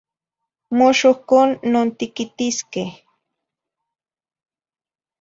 Mox ohcon nontiquitisqueh